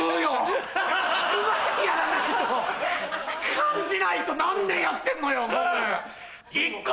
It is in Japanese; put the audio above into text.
感じないと何年やってんのよゴム。